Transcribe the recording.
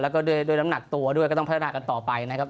แล้วก็ด้วยน้ำหนักตัวด้วยก็ต้องพัฒนากันต่อไปนะครับ